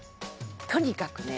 とにかくね